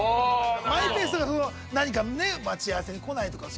マイペースだからその何かね待ち合わせに来ないとか。